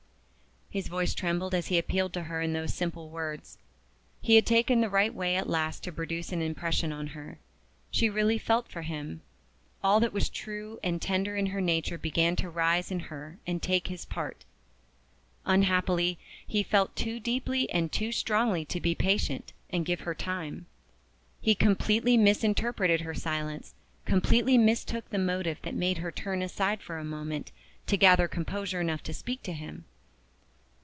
_" His voice trembled as he appealed to her in those simple words. He had taken the right way at last to produce an impression on her. She really felt for him. All that was true and tender in her nature began to rise in her and take his part. Unhappily, he felt too deeply and too strongly to be patient, and give her time. He completely misinterpreted her silence completely mistook the motive that made her turn aside for a moment, to gather composure enough to speak to him.